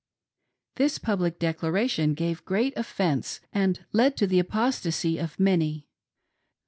This public declaration gave great offence and led to the apostacy of many.